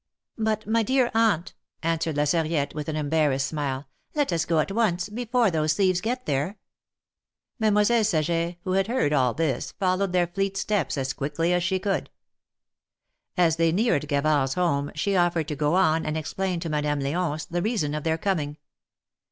But, my dear Aunt," answered La Sarriette, with an embarrassed smile, 'Get us go at once, before those thieves get there." Mademoiselle Saget, who had heard all this, followed their fleet steps as quickly as she could. As they neared THE MARKETS OF PARTS. 299 Gavard's home she offered to go on and explain to Madame L^once the reason of their coming.